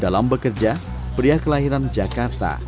dalam bekerja pria kelahiran cina dan perempuan cina